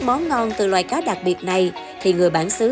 món ngon từ loài cá đặc biệt này thì người bản xứ